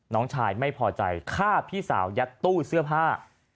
น้องชายไม่พอใจฆ่าพี่สาวยัดตู้เสื้อผ้า